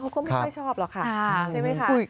เขาก็ไม่ค่อยชอบหรอกค่ะใช่ไหมคะ